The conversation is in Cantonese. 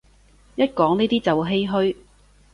一講呢啲就唏噓